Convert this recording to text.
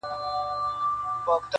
درد لا هم هماغسې پاتې دی,